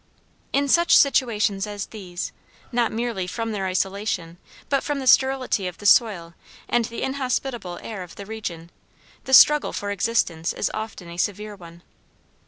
In such situations as these, not merely from their isolation, but from the sterility of the soil and the inhospitable air of the region, the struggle for existence is often a severe one.